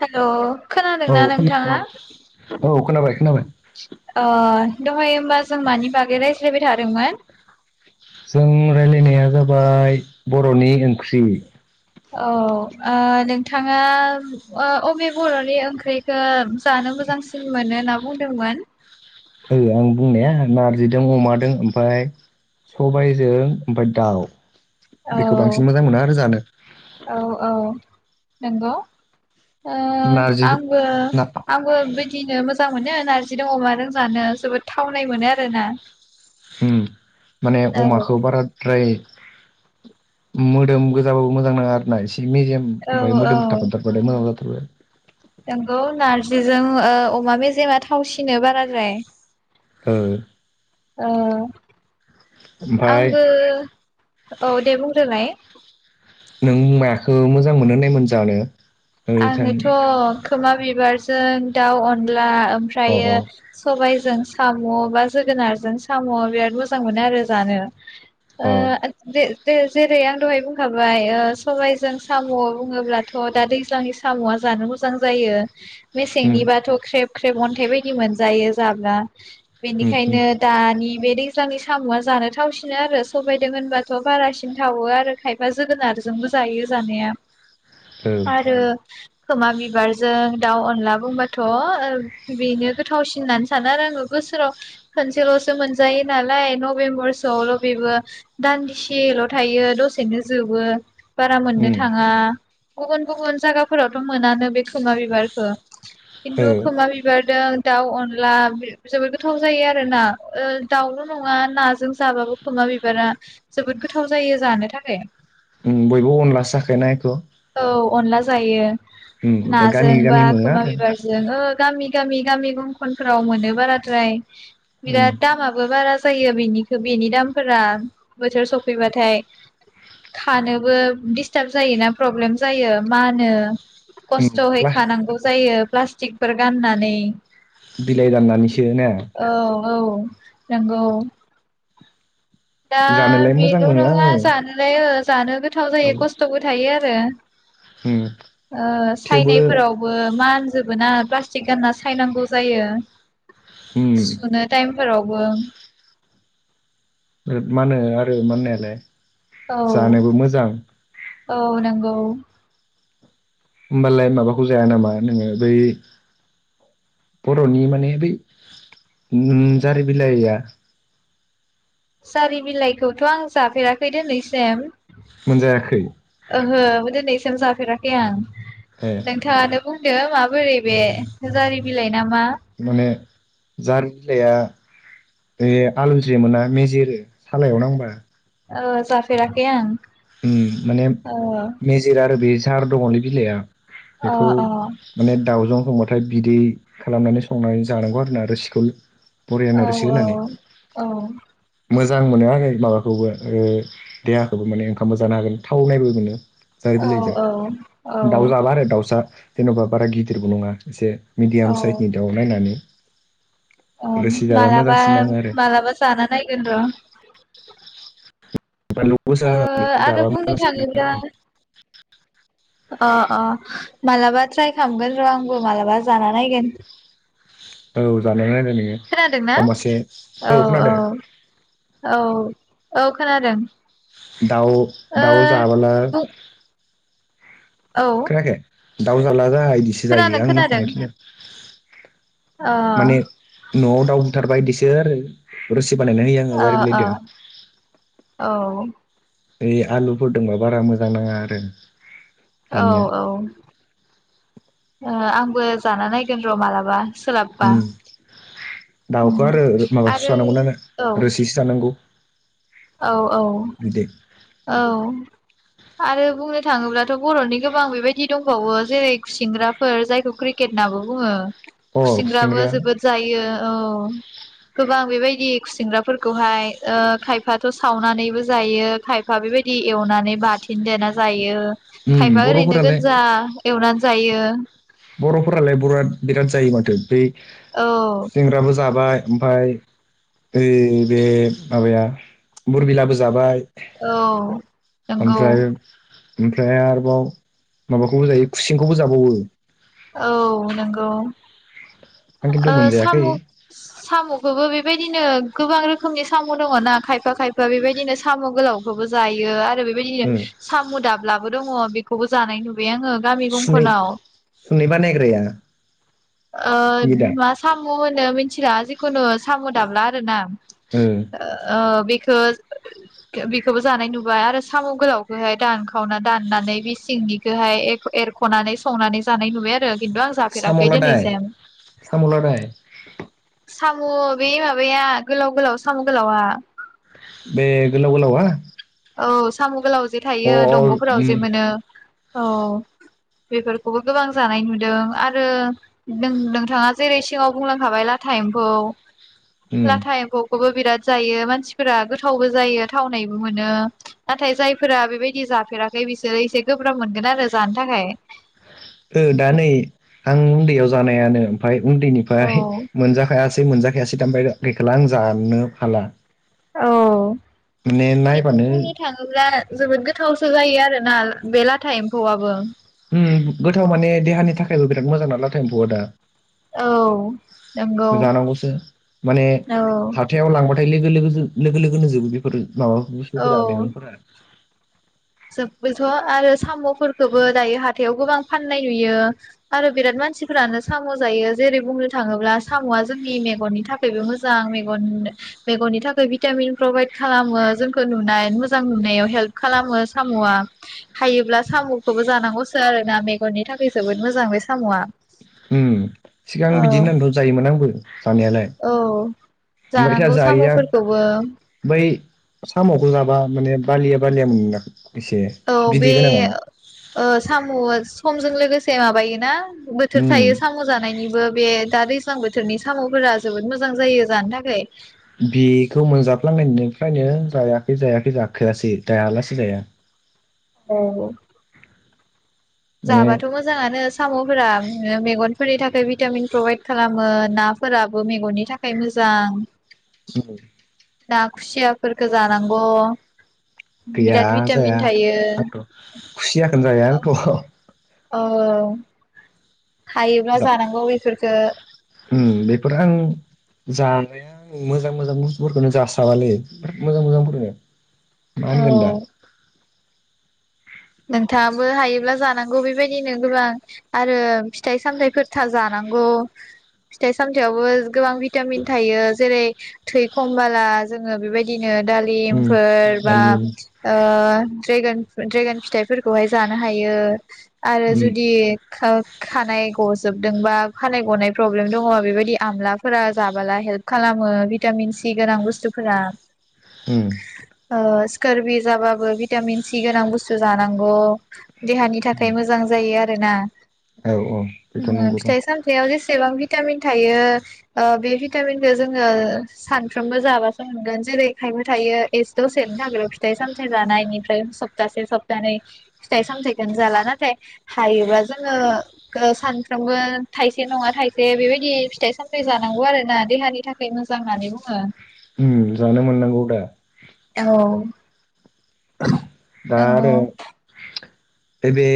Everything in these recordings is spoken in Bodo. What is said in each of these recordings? हेलौ औ खोनादोंना खोना नोंथाङा औ खोनाबाय खोनाबाय ओ दहाय होमबा जों मानि बागै रायज्लायबाय थादोंमोन जों राय्लायनाया जाबाय बर'नि ओंख्रि औ नोंथाङा अबे बर'नि ओंख्रिखौ जानो मोजांसिन मोनो होनना बुंदोंमोन आं बुंनाया नारजि दों अमादों ओमफ्राय सबायजों ओमफ्राय दाउ औ बेखौ बांसिन मोजां मोनो आरो जानो औ औ नंगौ नारजि आंबो ना आंबो बिदिनो मोजां मोनो नारजि दों अमादों जानो जोबोद थावनाय मोनो आरोना ओम माने औ अमाखौ बाराद्राय मोदोम गोजाबाबो मोजां नांङा आरो ना एसे एसे मेजेम औ ओमफ्राय औ मोदोम थाबफा देरबाथाय मोजां जाथारबाय नंगौ नारजिजों अमा मेजेमा थावसिनो बाराद्राय औ ओ आंबो औ दे बुंदोलाय नों मायाखौ मोजां मोनो होननायमोन जानो ओ थां आङोथ' खोमा बिबारजों दाउ अनला अनला अ ओमफ्रायो अ सबाय जों साम' बा जोगोनारजों साम' बिराद मोजां मोनो आरो जानो अ [unintelligible] जेर जेरै आं दहाय बुंखाबाय सबायजों साम' बुङोब्लाथ' दा दै ज्लांनि साम'आ जानो मोजां जायो उम मेसेंनिबाथ' ख्रेब ख्रेब अन्थाइ बायदि मोनजायो जाब्ला उम उम बेनिखायनो दानि बे दैज्लांनि साम'आ जानो थावसिनो आरो सबायदों होनबाथ' बारासिन थावो आरो खायफा जोगोनार जोंबो जायो जानाया ओ आरो खोमा बिबारजों दाउ अनला बुंबाथ' बेनो गोथावसिन होननानै सानो आरो आङो बाव खसेल' मोन नाल नबेम्बल' बेबो दान्दिसे थायो दसेनो जोबो बारा मोननो उम थाङा गुबुन गुबुन जायगाफोरावथ' मोनानो बे खोमा बिबारखौ। ओ खिन्थु खोमा बिबारदों दाउ अनला जोबोद गोथाव जायो आरो ना दाउल' नङा नाजों जाबाबो खोमा बिबारा जोबोद गोथाव जायो जानो थाखाय बयबो अनलासो जाखायना बेखौ औ अनला जायो उम बा नाजों गामि बा गामि मोनो खोमा आरो बिबारजों ओ गामि गामि गामि गंखनफोराव मोनो बाराद्राय उम बिराद दामाबो बारा जायो बिनि बेनि दामफोरा बोथोर सफैबाथाय। खानोबो दिस्टार्ब जायोना प्रब्लेम जायो मा होनो उम खस्थ'यै प्लास खानांगौ जायो। प्लास्टिकफोर गाननानै बिलाइ दाननानैसो ना औ औ नंगौ दा जानोलाय मोजां बेल' मोनो नङा आङो जानायलाय ओ जानो गोथाव जायो खस्थ'बो थायो आरो। उम ओ थेवबो सायनायफोरावबो मानजोबो ना थिक गानना सायनांगौ जायो उम सुनो टाइमफोरावबो बिराद मा होनो आरो मानायालाय औ जानोबो मोजां औ नगौ होमबालाय माबाखौ जाया नामा नोङो बै बर'नि माने बै जारि बिलाइया जारि बिलाइखौथ' आं जाफेराखै दिनैसिम मोनजायाखै ओहो दिनैसिम जाफेराखै आं ए नोंथाङानो बुंदों माबोरै बे जारि बिलाइ नामा? जारु बिलाइआ बे आलौज्रे मोना मेजेरो सालायाव नांबा। औ जाफेराखै आं उ माने औ मेजेरो आरो बे सार दंङलै बिलाइआ अ बेखौ अ माने दाउजों बुंबाथाय बिदै खालामनानै संनानै जानांगौ आरोना रोसिखौ औ बरियानो रोसि होना नै औ मो मोजां मोनो आरो माबाखौबो देहाखौबो माने ओंखामबो जानो हागोन थाव नायबो मोनो। जारि औ बिलाइजों औ दाउ जाबा आरो दाउसा जेनेबा बारा गिदिरबो नंङा एसे मिडियाम साइजनि दाउ नायनानै। अ रोसि जाबा माला बा मोजांसिन नाङो आरो माला जाना नगोन र' बानलु गोसा ओ होनानै आरो जाबा बुंनो मोजांसिन थांङोब्ला अ अ मालाबा ट्राइ खालामगोन र' आंबो मालाबा जाना नायगोन। औ जानायनाय खोनादोंना औ औ खोनादों औ औ खोनादों। दाउ ओ दाउ जाबोला बुं औ खोनायाखै दाउ जाला जा इदिसो जायो खोनादों आंनो खोनादों सनायखि अ माने न'आव दाउ बुथारबा इदिसो आरो रोसि बानायनानै होयो आङो अ जारि अ बिलाइदों औ ओइ आलुफोर दंबा बारा मोजां नाङा आरो। औ दानिया औ ओ आंबो जाना नायगोन र' मालाबा सोलाबबा उम दाउखौ आरो माबासो आरो जानांगौना औ रोसिसो जानांगौ औ औ बिदै औ आरो बुंनो थाङोब्लाथ' बर'नि गोबां बेबायदि दंबावो जेरै खुसिंग्राफोर जायखौ क्रिकेट होननाबो बुङो अ खुसिंग्राबो खुसेंग्रा जोबोद जायो औ गोबां बेबायदि खुसिंग्राफोरखौहाय ओ खायफाथ' सावनानैबो जायो खा फा बेबायदि एवनानै बाथोन देना जायो उम खायफा ओरैनो बर'फोरालाय गोजा एवनानै जायो बर'फोरालाय बर'आ बिराद जायो माथो बै औ गुसिंग्राबो जाबाय ओमफाय ओइ बे माबाया बोरबिलाबो जाबाय औ नंगौ ओमफ्राय ओमफ्राय आरोबाव माबाखौबो जायो खुसेंखौबो जाबावो औ नंगौ आं खिन्थु ओ मोनजायाखै सामु सामुखौबो बेबायदिनो गोबां रोखोमनि सामु दङ ना खायफा खायफा बेबायदिनो सामु गोलावखौबो जायो आ रो बेबायदिनो ओ सामु दाबलाबो दङ बेखौबो जानाय नुबाय आङो गामि सुनै गंखनाव सुनै बानायग्राया ओ बियो बे दा मा सामु होनो मिथिला जिखुनु सामु दाबला आरो ना ओ ओ बेखो बेखौबो जानाय नुबाय आरो सामु गोलावखौहाय दानखावना दाननानै बे सिंनिखोहाय एरख'नानै संनानै जानाय नुबाय आरो खिन्थु आं जाफेराखै दोनै सामु लादाय सामु बे माबाया गोलाव गोलाव सामु गोलावा बे गोलाव गोलावा औ सामु गोलाव जे थायो अ दंग'फोराव उम जे मोनो औ बेफोरखौबो गोबां जानाय नुदों आरो नों नोंथाङा जेरै सिगाङाव बुंलांखाबाय ला था एम्फौ उम लाथा एम्फौखौबो बिराद जायो मानसिफोरा गोथावबो जायो थावनायबो मो नो नाथाय जायफोरा बेबायदि जाफेराखै बिसोरो एसे गोब्राब मोनगोन आरो जानो थाखाय ओ दा नै आं उन्दैयाव जानायानो ओमफाय उन्दैनिफ्राय औ मोनजाखाया सै मोनजाखायासै दा ओमफाय गैखाला आं जानो हाला औ माने किन्थु नायबानो बुंनो थाङोब्ला जोबोद गोथावसो जायो आरो ना बे लाथा एम्फौआबो उम गोथाव माने देहानि थाखायबो बिराद मोजां ना लाथा एम्फौआ दा औ नंगौ जानांगौसो माने औ हाथायाव लांबा नाय लोगो लोगो लोगो लोगोनोजोबो बेफोर माबा बुस्थुफोरा मेगंफोरा जोब्बोथ' आरो सामुफोरखौबो दायो हाथायाव गोबां फाननाय नुयो आरो बिराद मान मानसिफ्रानो सामु जायो जेरै बुंनो थाङोब्ला सामुआ जोंनि मेगननि थाखायबो मोजां मेगन मेगननि थाखाय भिटामिन प्रभाइद खालामो जोंखौ नुनाय मोजां नुनायाव हेल्प खालामो। सामुआ हायोब्ला सामुखौबो जानांगौसो आरोना मेगननि थाखाय जोबोद मोजां बे सामुआ। उम सिगां बिदिओनानथ जायोमोन आंबो जानायालाय औ मैथा जानांगौ जायैया साम'फोरखौबो बै सामखौ जाबा माने बालिया बालिया मोनोदां? औ बे ओ साम समजों लोगोसे माबायोना बोथोर उम थायो साम जानायनिबो बे दा दैज ज्लां बोथोरनि सामफोरा जोबोद मोजां जायो जानो थाखाय। बेखौ मोनजाफ्लांनायनो- बेनिफायनो जायाखै जायाखै जाखायासै दायालासेै जाया। औ औ। माने जाबाथ मोजाङानो सामफोरा मेगनफोरनि थाखाय भिटामिन प्रभाइद खालामो नाफोराबो मेगननि थाखाय मोजां जां। [unintelligible] ना खुसियाफोरखो जानांगौ गैया बिराद जाया भिटामिन थायो आंथ खुसियाखोन जाया आंथ ओ उम बेफोर आं जानाया आं मोजां मोजां बुस्थुफोरखोनो जासाबालै बिराद मोजां मोजांफोरखो। मा औ ओनगोन्दा नोंथाङाबो हायोब्ला जानां गौ बेबायदिनो गोबां आरो फिथाइ सामथाइफोरथा जानांगौ। फिथाइ सामथायाइयावबो गोबां भिटामिन थायो जेरै थै खमबाला जोङो बेबायदि नो उम दालिमफोर बा दालि ओ द्रेगन फ्रुइट द्रेगन फिथ फिथाइफोरखौहाय जानो हायो आरो उम जुदि खा खानाय गजोबदोंबा खानाय गनाय प्रब्लेम दङ बेबायदि आमलाफोरा जाबाला हेल्प खालाम मो भिटामिन सि गोनां बुस्थुफोरा उम ओ स्कारबि जाबाबो भिटामिन सि गोनां बुस जानांगौ देहानि थाखाय मोजां जायो आरो ना। औ औ बेथ' उम नंगौ र' फिथाइ सामथाययाव जेसेबां भि भिटामिन थायो ओ बे भिटामिनखो जोङो सानफ्रोमबो जाबासो मोनगोन जेरै खाय बो थायो एस दसेनि थाखैल फिथाइ सामथाय जानाय इनिफ्राय सप्तासे सप तानै फिथाइ सामथायाइखोनो जाला नाथाय हायोब्ला जोङो ओ सानफ्रोमबो थाइसे नङा थाइसे बेबायदि फिथाइ सामथाइ जानांगौ आरो ना देहानि थाखाय मोजां नानै बुङो उम जानो मोननांगौदा औ दा आरो नंगौ ऐ बे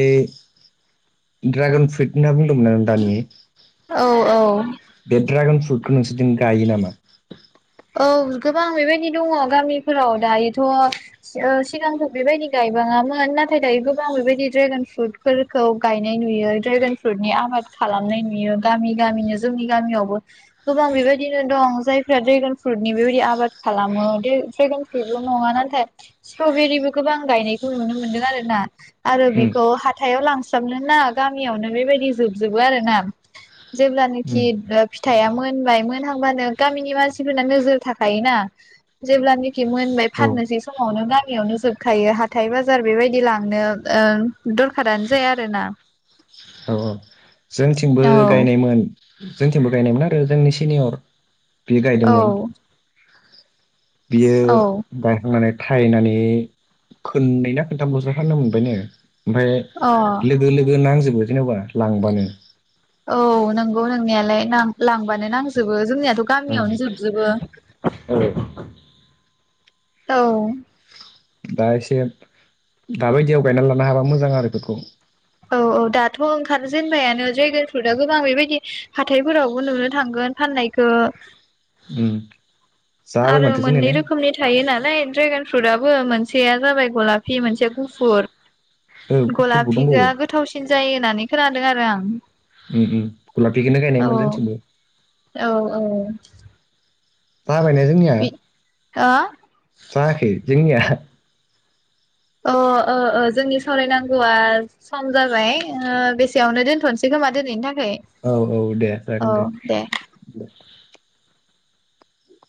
ड्रागन फ्रुइट ओनना बुंदोंमोन नों दानि औ औ। बे ड्रागन फ्रुटखौ नोंसोरनथिं गायो नामा? औ गोबां बेबायदि दङ गामिफोराव दायोथ' ओ सिगांथ बेबायदि गायबांङा ङामोन नाथाय दायो गोबां बेबायदि ड्रेगन फ्रुटफोरखौ गायनाय नुयो ड्रेगन फ्रुइटनि आबाद खालाम खालामनाय नुयो गामि गामिनो जोंनि गामियावबो गोबां बेबायदिनो दं जायफ्रा ड्रेगन फ्रुटनि बेबायाददि आबाद खालामो दे ड्रेगन फ्रुइटल नङा नाथाय स्ट्रबेरिबो गोबां गायनाय नुनो मोनदों आरोना आरो उम बेखौ हाथायाव लांस्राबनो ना गामियावनो बेबायदि जोबजोबो आ आरोना जेब्लानोखि उम फिथाइआ मोनबाय मोनहांबानो गामिनि मानसि फोरना नोजोर थाखायोना जेब्लानाखि मोनबाय औ फाननोसै समावनो गामियावनो जोबखायो । हाथाय बाजार बेबायदि लांनो ओ दरखारानो जाया आरो ना। औ औ। जोंथिंबो गायनायमोन जोंथिंबो गायनायमोन आरो जोंनि सिनियर बे औ गायदोंमोन। बियो औ गायखांनानै। थायनानै खननैना खोनथामलसो हानो मोनबायनो। अ ओमफ्राय लोगो लोगो नांजोबो जेनेबा लांबानो। औ नंगौ नोंनियालाय लांबानो नांजोबो जोंनिया थ' ओं गामियावनो जोबजोबो। औ औ। दा एसे दाबायदियाव गायना लानो हाबा मोजां आरो बेखौ। औ औ दाथ' ओंखारजेनबायानो ड्रेगन फ्रुटआ गोबां बेबायदि। हाथाइफोरावबो नुनो थांगोन फाननायखौ। उम। जाबाय आरो माथो जोंनिया मोननै ने रोखोमनि थायो नालाय ड्रेगन। फ्रुटआबो मोनसेया जाबाय गलाफि मोनसे गुफुर। औ गुफुरबो दंबावो गलाफिगोआ गोथावसिन जायो होननानै खोनादों आरो आं। उम उम गलाफिखोनो औ गानोमोन जोंथिंबो। औ [inaudible] जाबायना जोंनिया बि हो जायाखै जोंनिया? अ ओ ओ जोंनि सावरायनांगौआ सम जाबाय ओ बेसेयावनो दोनथ'नोसै खोम खोमा दोनैनि थाख औ औ दे जागोन दे दे।